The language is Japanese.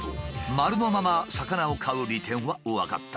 丸のまま魚を買う利点は分かった。